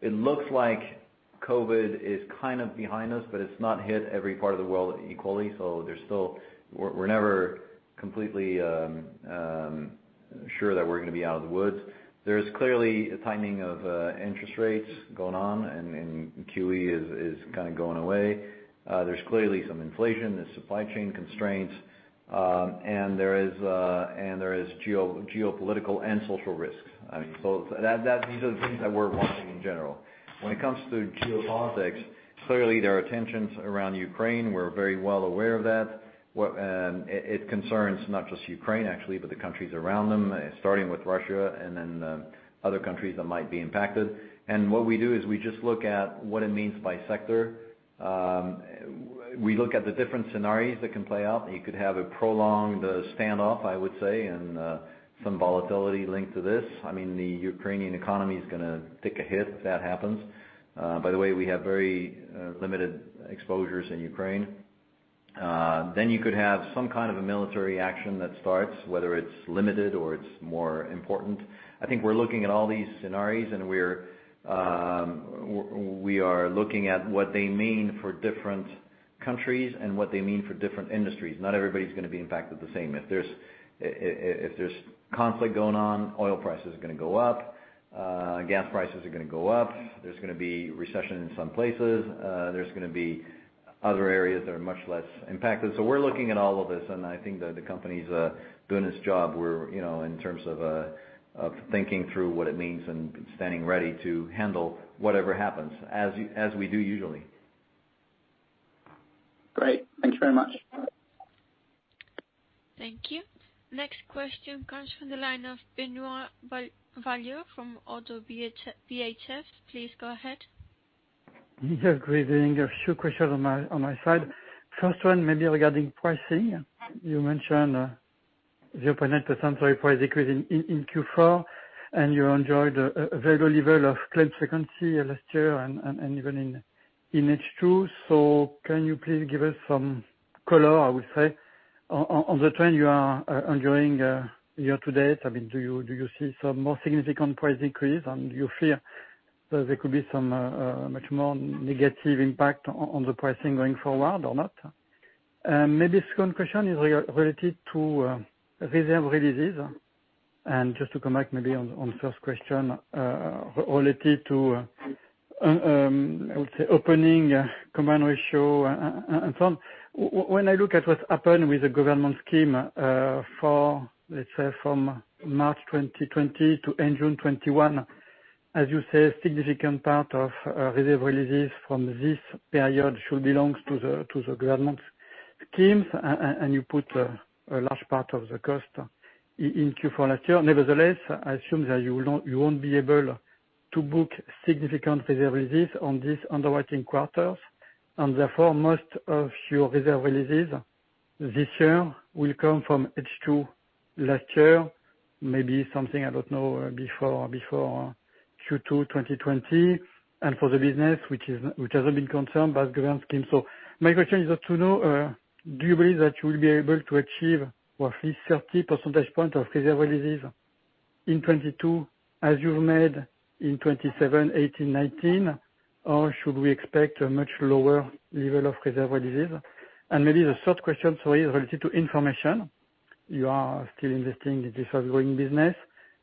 it looks like COVID is kind of behind us, but it's not hit every part of the world equally, so there's still, we're never completely sure that we're gonna be out of the woods. There's clearly a tightening of interest rates going on and QE is kind of going away. There's clearly some inflation, there's supply chain constraints, and there is geopolitical and social risks. I mean, so that's the sort of things that we're watching in general. When it comes to geopolitics, clearly there are tensions around Ukraine. We're very well aware of that. It concerns not just Ukraine actually, but the countries around them, starting with Russia and then other countries that might be impacted. What we do is we just look at what it means by sector. We look at the different scenarios that can play out. You could have a prolonged standoff, I would say. Some volatility linked to this. I mean, the Ukrainian economy is gonna take a hit if that happens. By the way, we have very limited exposures in Ukraine. Then you could have some kind of a military action that starts, whether it's limited or it's more important. I think we're looking at all these scenarios, and we're looking at what they mean for different countries and what they mean for different industries. Not everybody's gonna be impacted the same. If there's conflict going on, oil prices are gonna go up, gas prices are gonna go up. There's gonna be recession in some places. There's gonna be other areas that are much less impacted. We're looking at all of this, and I think the company's doing its job. We're, you know, in terms of of thinking through what it means and standing ready to handle whatever happens as we do usually. Great. Thank you very much. Thank you. Next question comes from the line of Benoît Valleaux from Oddo BHF. Please go ahead. Yeah, great. There are a few questions on my side. First one may be regarding pricing. You mentioned 0.8% price decrease in Q4, and you enjoyed a very good level of claims frequency last year and even in H2. Can you please give us some color, I would say, on the trend you are enjoying year-to-date? I mean, do you see some more significant price increase and you fear that there could be some much more negative impact on the pricing going forward or not? Maybe second question is related to reserve releases. Just to come back maybe on first question, related to, I would say opening combined ratio. When I look at what happened with the government scheme, for let's say, from March 2020 to end June 2021, as you say, a significant part of reserve releases from this period should belong to the government schemes, and you put a large part of the cost in Q4 last year. Nevertheless, I assume that you will not be able to book significant reserve releases on these underwriting quarters, and therefore, most of your reserve releases this year will come from H2 last year, maybe something, I don't know, before Q2 2020, and for the business which hasn't been concerned about government scheme. My question is just to know, do you believe that you will be able to achieve roughly 30 percentage points of reserve releases in 2022 as you've made in 2020, 2018, 2019? Should we expect a much lower level of reserve releases? Maybe the third question for you is related to information. You are still investing in this ongoing business.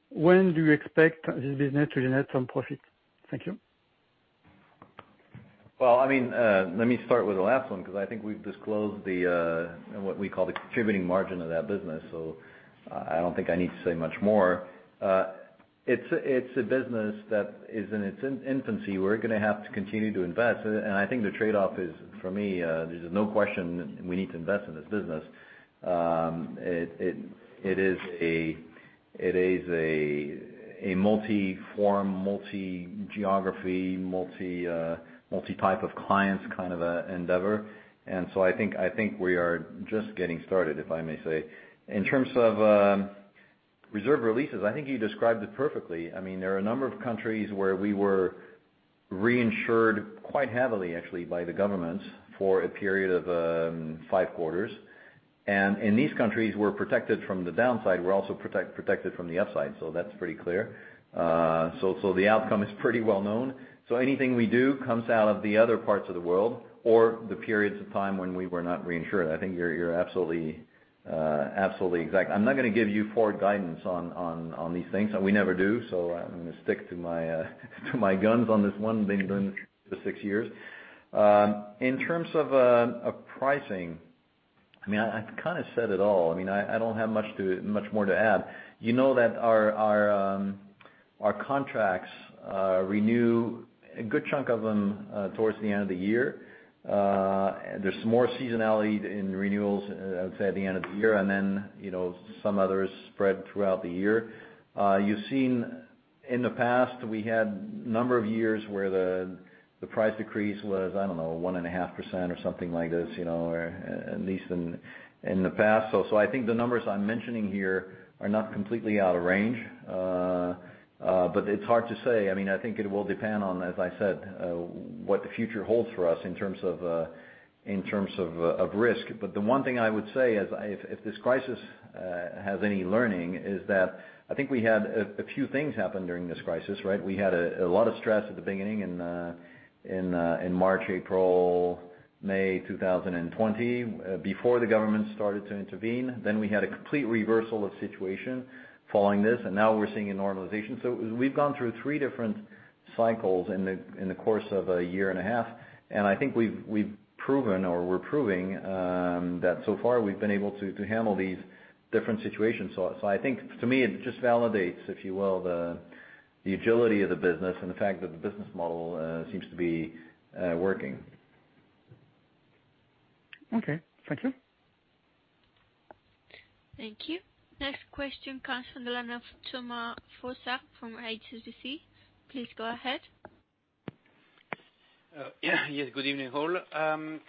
When do you expect this business to generate some profit? Thank you. Well, I mean, let me start with the last one, because I think we've disclosed the what we call the contribution margin of that business, so I don't think I need to say much more. It's a business that is in its infancy. We're gonna have to continue to invest. I think the trade-off is for me, there's no question that we need to invest in this business. It is a multi-forum, multi-geography, multi-type of clients kind of endeavor. I think we are just getting started, if I may say. In terms of reserve releases, I think you described it perfectly. I mean, there are a number of countries where we were reinsured quite heavily actually by the governments for a period of five quarters. In these countries, we're protected from the downside, we're also protected from the upside. That's pretty clear. The outcome is pretty well known. Anything we do comes out of the other parts of the world or the periods of time when we were not reinsured. I think you're absolutely exact. I'm not gonna give you forward guidance on these things, and we never do. I'm gonna stick to my guns on this one, been doing this for six years. In terms of pricing, I mean, I kind of said it all. I mean, I don't have much more to add. You know that our contracts renew a good chunk of them towards the end of the year. There's some more seasonality in renewals, I would say, at the end of the year. Then, you know, some others spread throughout the year. You've seen in the past, we had a number of years where the price decrease was, I don't know, 1.5% or something like this, you know, or at least in the past. I think the numbers I'm mentioning here are not completely out of range. It's hard to say. I mean, I think it will depend on, as I said, what the future holds for us in terms of risk. The one thing I would say is if this crisis has any learning, is that I think we had a few things happen during this crisis, right? We had a lot of stress at the beginning in March, April, May 2020, before the government started to intervene. We had a complete reversal of situation following this, and now we're seeing a normalization. We've gone through three different cycles in the course of a year and a half, and I think we've proven or we're proving that so far we've been able to handle these different situations. I think to me, it just validates, if you will, the agility of the business and the fact that the business model seems to be working. Okay, thank you. Thank you. Next question comes from the line of Thomas Fossard from HSBC. Please go ahead. Yes. Good evening all.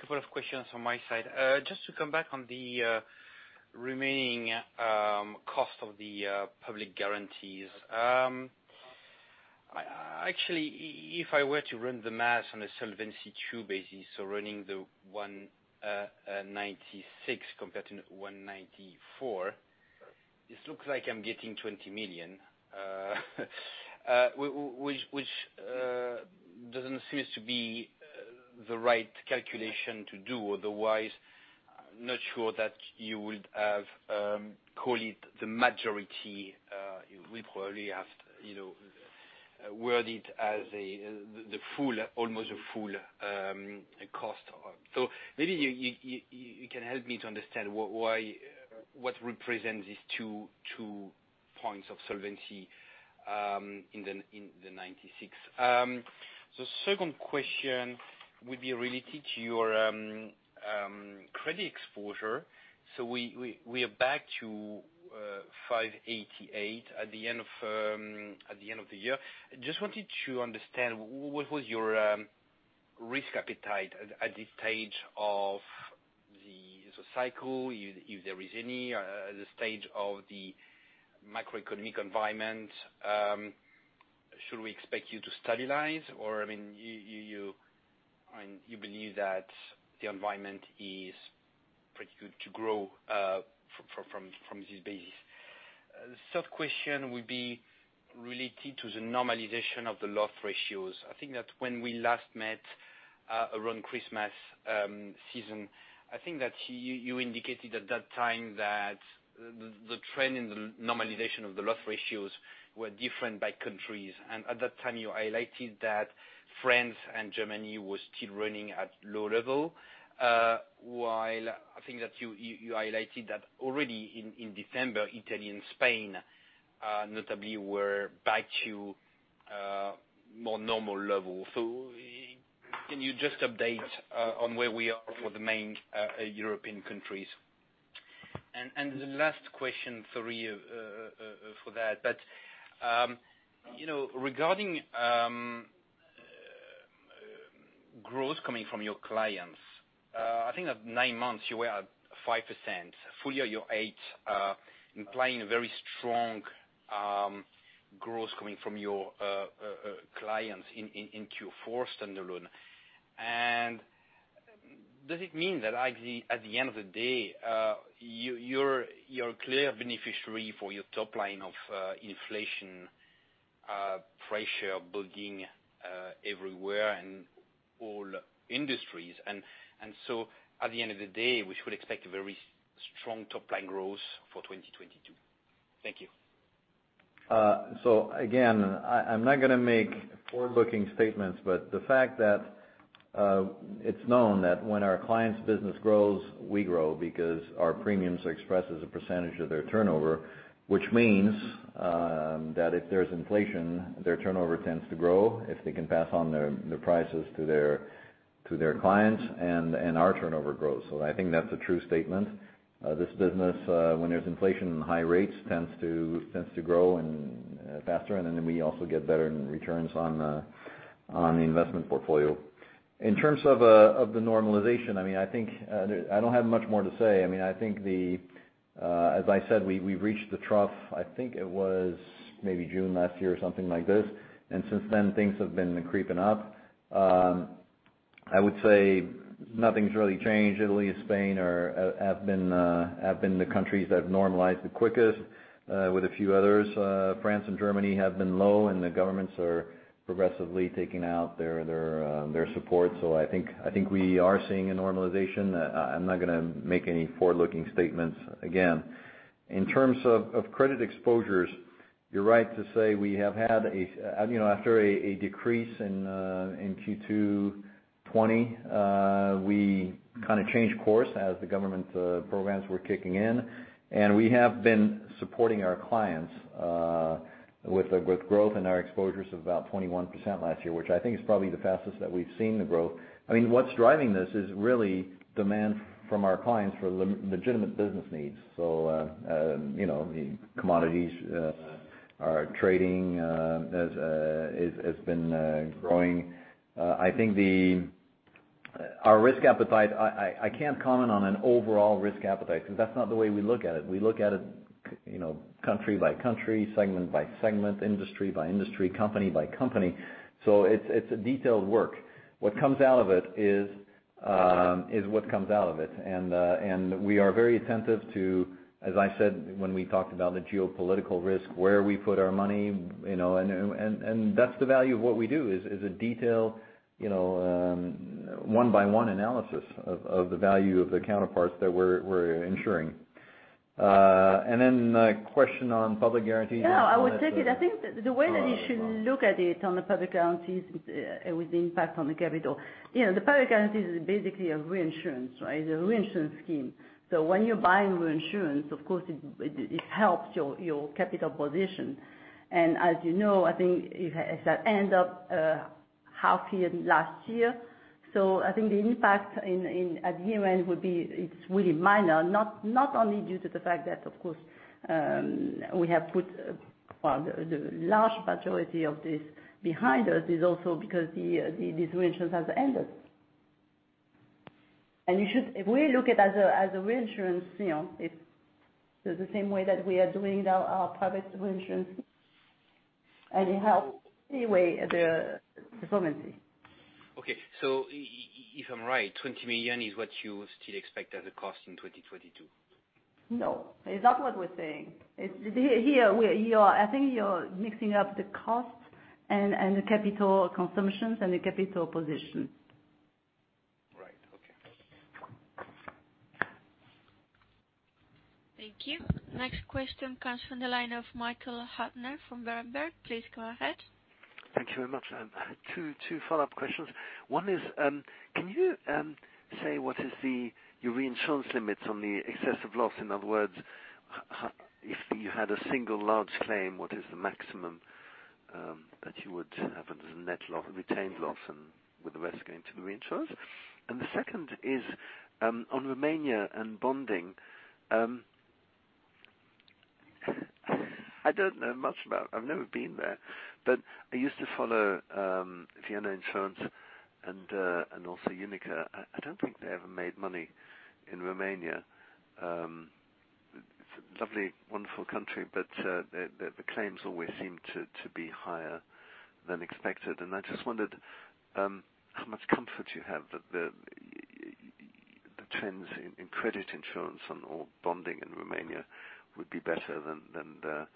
Couple of questions from my side. Just to come back on the remaining cost of the public guarantees. Actually, if I were to run the math on a Solvency II basis, running the 196 compared to 194, this looks like I'm getting 20 million, which doesn't seem to be the right calculation to do. Otherwise, not sure that you would have called it the majority. You would probably have, you know, worded it as the full, almost a full cost. Maybe you can help me to understand what represents these two points of solvency in the 196. Second question would be related to your credit exposure. We are back to 588 at the end of the year. Just wanted to understand what was your risk appetite at this stage of the business cycle, if there is any, the stage of the macroeconomic environment. Should we expect you to stabilize? Or, I mean, you and you believe that the environment is pretty good to grow from this basis. Third question would be related to the normalization of the loss ratios. I think that when we last met around Christmas season, I think that you indicated at that time that the trend in the normalization of the loss ratios were different by countries. At that time, you highlighted that France and Germany was still running at low level, while I think that you highlighted that already in December, Italy and Spain notably were back to more normal level. Can you just update on where we are for the main European countries? The last question, sorry for that. You know, regarding growth coming from your clients, I think at nine months you were at 5%, full-year you're 8%, implying a very strong growth coming from your clients in Q4 standalone. Does it mean that at the end of the day, you're clear beneficiary for your top line of inflation pressure building everywhere and all industries. At the end of the day, we should expect a very strong top line growth for 2022. Thank you. Again, I'm not gonna make forward-looking statements, but the fact that it's known that when our clients' business grows, we grow because our premiums are expressed as a percentage of their turnover. Which means that if there's inflation, their turnover tends to grow if they can pass on their prices to their clients, and our turnover grows. I think that's a true statement. This business, when there's inflation and high rates, tends to grow faster, and then we also get better returns on the investment portfolio. In terms of the normalization, I mean, I think I don't have much more to say. I mean, I think as I said, we've reached the trough. I think it was maybe June last year or something like this. Since then, things have been creeping up. I would say nothing's really changed. Italy and Spain have been the countries that have normalized the quickest, with a few others. France and Germany have been low, and the governments are progressively taking out their support. I think we are seeing a normalization. I'm not gonna make any forward-looking statements again. In terms of credit exposures, you're right to say we have had, you know, after a decrease in Q2 2020, we kind of changed course as the government programs were kicking in. We have been supporting our clients with growth in our exposures of about 21% last year, which I think is probably the fastest that we've seen the growth. I mean, what's driving this is really demand from our clients for legitimate business needs. You know, the commodities are trading as it has been growing. Our risk appetite, I can't comment on an overall risk appetite 'cause that's not the way we look at it. We look at it you know, country by country, segment by segment, industry by industry, company by company. It's a detailed work. What comes out of it is what comes out of it. We are very attentive to, as I said when we talked about the geopolitical risk, where we put our money, you know. That's the value of what we do is a detailed you know one-by-one analysis of the value of the counterparties that we're insuring. The question on public guarantees- No, I would take it. Uh. I think the way that you should look at it on the public guarantees with the impact on the capital. You know, the public guarantees is basically a reinsurance, right? It's a reinsurance scheme. When you're buying reinsurance, of course, it helps your capital position. And as you know, I think it has ended half year last year. I think the impact in at year-end would be it's really minor, not only due to the fact that, of course, we have put well the large majority of this behind us. It's also because this reinsurance has ended. If we look at it as a reinsurance, you know, it's the same way that we are doing now our private reinsurance, and it helps either way the performance. Okay. If I'm right, 20 million is what you still expect as a cost in 2022? No. It's not what we're saying. It's here. You're, I think you're mixing up the costs and the capital consumptions and the capital positions. Right. Okay. Thank you. Next question comes from the line of Michael Huttner from Berenberg. Please go ahead. Thank you very much. Two follow-up questions. One is, can you say what is your reinsurance limits on the excess of loss? In other words, if you had a single large claim, what is the maximum that you would have as a net loss, retained loss and with the rest going to the reinsurance? The second is, on Romania and bonding, I don't know much about. I've never been there, but I used to follow Vienna Insurance and also UNIQA. I don't think they ever made money in Romania. It's a lovely, wonderful country, but the claims always seem to be higher than expected. I just wondered how much comfort you have that the trends in credit insurance and bonding in Romania would be better than the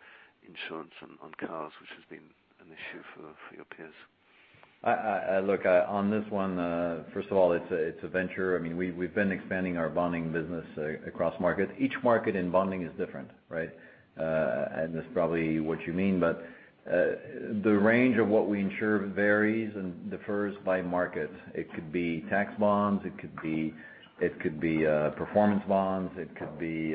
insurance on cars, which has been an issue for your peers. Look, on this one, first of all, it's a venture. I mean, we've been expanding our bonding business across markets. Each market in bonding is different, right? That's probably what you mean. The range of what we insure varies and differs by market. It could be tax bonds. It could be performance bonds. It could be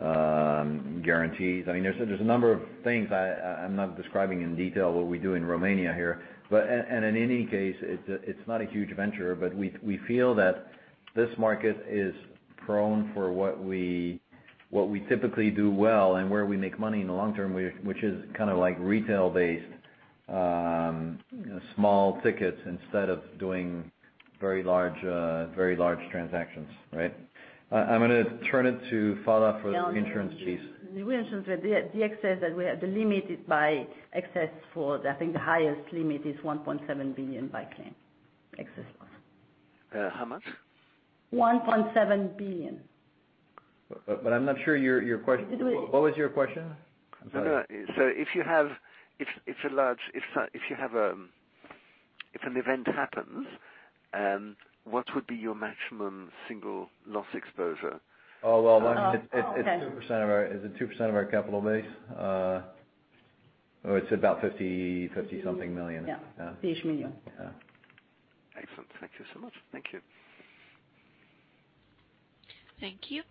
guarantees. I mean, there's a number of things I'm not describing in detail what we do in Romania here. In any case, it's not a huge venture. We feel that this market is prone for what we typically do well and where we make money in the long term, which is kind of like retail-based, small tickets instead of doing very large transactions, right? I'm gonna turn it to Phalla for the insurance piece. Yeah, on the reinsurance, the Excess of Loss that we are limited by. I think the highest limit is 1.7 billion per claim, Excess of Loss. How much? 1.7 billion. I'm not sure your question. Did we- What was your question? I'm sorry. No, no. If an event happens, what would be your maximum single loss exposure? Well, it's 2% of our capital base? It's about 50-something million. Yeah. 50-ish million. Yeah. Excellent. Thank you so much. Thank you. Thank you.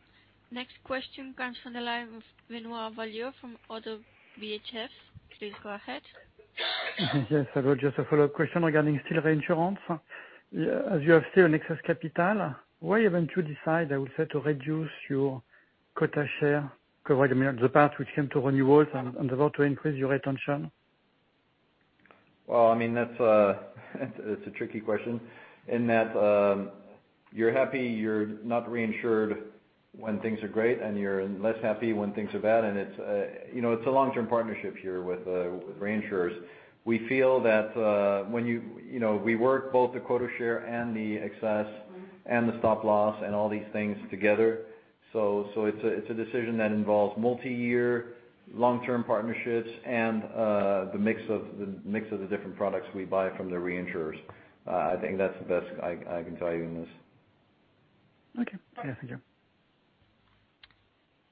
Next question comes from the line of Benoît Valleaux from Oddo BHF. Please go ahead. Yes, hello. Just a follow-up question regarding still reinsurance. As you have still an excess capital, why haven't you decided, I would say, to reduce your quota share coverage in the past which came to renewals and about to increase your retention? Well, I mean, that's, it's a tricky question in that, you're happy you're not reinsured when things are great, and you're less happy when things are bad. It's, you know, it's a long-term partnership here with reinsurers. We feel that. You know, we work both the quota share and the excess and the stop loss and all these things together. It's a decision that involves multiyear long-term partnerships and the mix of the different products we buy from the reinsurers. I think that's the best I can tell you in this. Okay. Yeah. Thank you.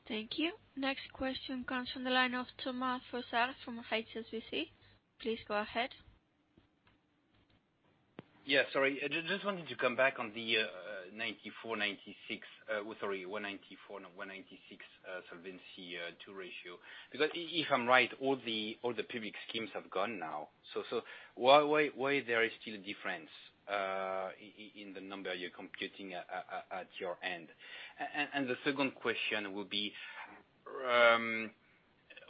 Thank you. Next question comes from the line of Thomas Fossard from HSBC. Please go ahead. Yeah. Sorry. Just wanted to come back on the 196% Solvency II ratio. Because if I'm right, all the PBIC schemes have gone now. So why there is still a difference in the number you're computing at your end? And the second question would be,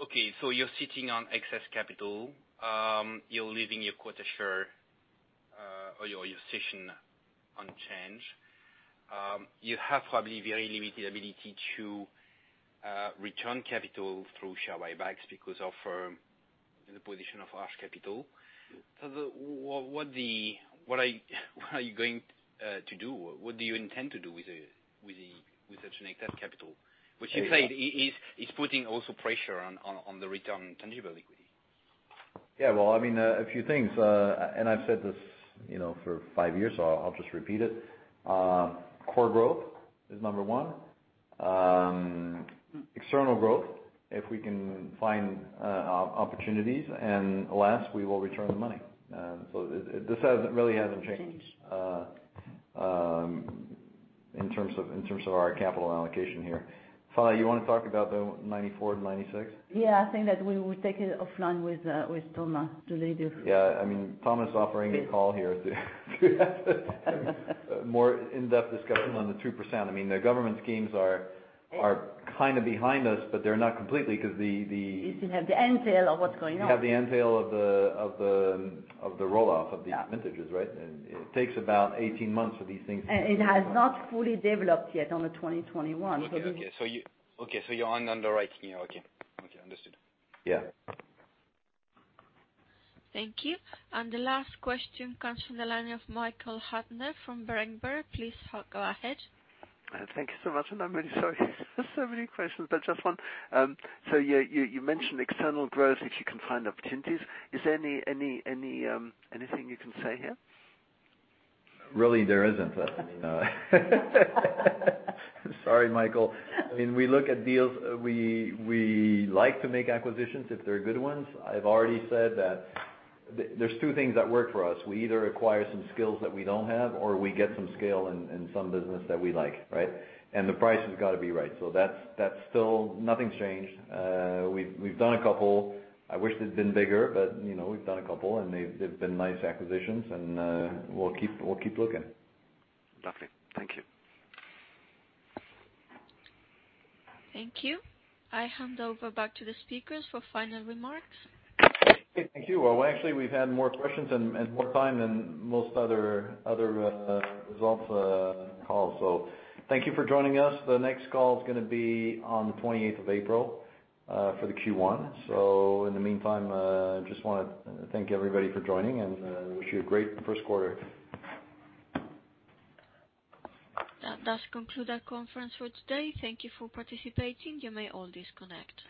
okay, so you're sitting on excess capital, you're leaving your quota share or your position unchanged. You have probably very limited ability to return capital through share buybacks because of the position of Arch Capital. So what are you going to do? What do you intend to do with such an excess capital? Which you said is putting also pressure on the return on tangible equity. Well, I mean, a few things. I've said this, you know, for five years, so I'll just repeat it. Core growth is number one. External growth, if we can find opportunities, and last, we will return the money. This really hasn't changed. Changed. In terms of our capital allocation here. Fa, you wanna talk about the 94 and 96? Yeah. I think that we will take it offline with Thomas to review. Yeah. I mean, Thomas offering a call here to have a more in-depth discussion on the 2%. I mean, the government schemes are kind of behind us, but they're not completely because the, You still have the tail end of what's going on. You have the tail end of the roll-off of these vintages, right? Yeah. It takes about 18 months for these things. It has not fully developed yet on the 2021. Okay. You're underwriting. Understood. Yeah. Thank you. The last question comes from the line of Michael Huttner from Berenberg. Please go ahead. Thank you so much. I'm really sorry for so many questions, but just one. Yeah, you mentioned external growth, if you can find opportunities. Is there anything you can say here? Really, there isn't. I mean, Sorry, Michael. I mean, we look at deals. We like to make acquisitions if they're good ones. I've already said that there's two things that work for us. We either acquire some skills that we don't have, or we get some scale in some business that we like, right? The price has got to be right. That's still. Nothing's changed. We've done a couple. I wish they'd been bigger, but you know, we've done a couple, and they've been nice acquisitions, and we'll keep looking. Lovely. Thank you. Thank you. I hand over back to the speakers for final remarks. Okay. Thank you. Well, actually, we've had more questions and more time than most other results calls. Thank you for joining us. The next call is gonna be on the twenty-eighth of April for the Q1. In the meantime, just wanna thank everybody for joining and wish you a great first quarter. That does conclude our conference for today. Thank you for participating. You may all disconnect.